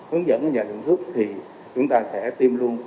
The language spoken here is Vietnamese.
hướng dẫn nhà sản xuất thì chúng ta sẽ tiêm luôn